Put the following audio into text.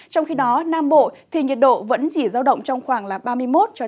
trong khi đó nam bộ thì nhiệt độ vẫn chỉ giao động trong khoảng ba mươi một ba mươi